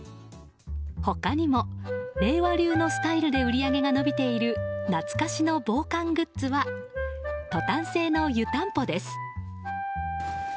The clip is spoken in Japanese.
他にも、令和流のスタイルで売り上げが伸びている懐かしの防寒グッズはトタン製の湯たんぽです。